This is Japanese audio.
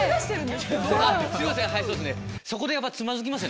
すいません